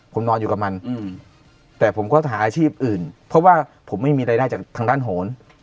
ผมนอนอยู่กับมันแต่ผมก็หาอาชีพอื่นเพราะว่าผมไม่มีรายได้จากทางด้านโหน